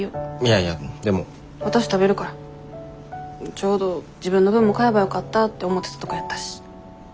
ちょうど自分の分も買えばよかったって思ってたとこやったし。